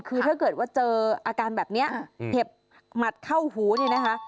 คือถ้าเกิดว่าเจออาการแบบนี้เห็บหมัดเข้าหูเนี่ยนะคะ